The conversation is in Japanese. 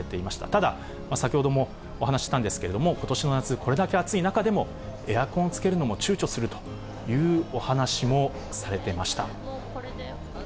ただ、先ほどもお話ししたんですけれども、ことしの夏、これだけ暑い中でも、エアコンつけるのもちゅうちょするというお話もされていました。